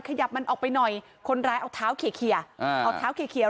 ขยับมันออกไปหน่อยคนร้ายเอาเท้าเขียวเขียวเอาเท้าเขียวเขียว